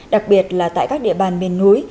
đặc biệt là tại các địa bàn miền núi